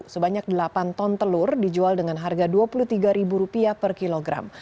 sebanyak delapan ton telur dijual dengan harga rp dua puluh tiga per kilogram